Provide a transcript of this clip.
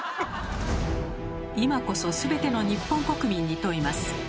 今こそすべての日本国民に問います。